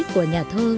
của nhà thơ